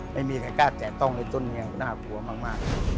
ไม่มีใครกล้าแตะต้องเลยต้นนี้น่ากลัวมาก